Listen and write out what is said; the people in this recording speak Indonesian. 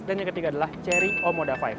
dan yang ketiga adalah chery omoda lima